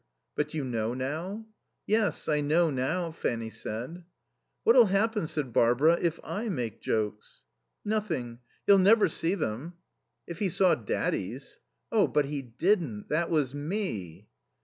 "But you know now?" "Yes, I know now," Fanny said. "What'll happen," said Barbara, "if I make jokes?" "Nothing. He'll never see them." "If he saw daddy's " "Oh, but he didn't. That was me."